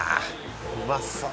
うまそう